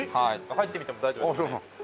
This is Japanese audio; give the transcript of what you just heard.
入ってみても大丈夫ですよね？